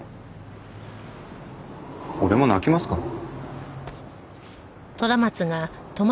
俺も泣きますから。